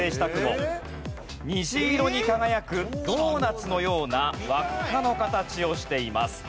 虹色に輝くドーナツのような輪っかの形をしています。